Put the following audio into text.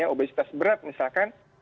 obesitas berat misalkan